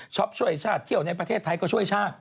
ช่วยชาติเที่ยวในประเทศไทยก็ช่วยชาติ